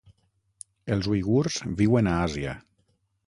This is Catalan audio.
Els uigurs viuen a Àsia.